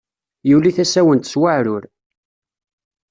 Yuli tasawent s waɛrur.